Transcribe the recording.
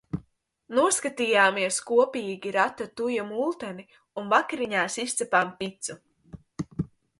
Noskatījāmies kopīgi Ratatuja multeni un vakariņās izcepām picu.